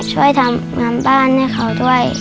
ช่วยทำงานบ้านให้เขาด้วย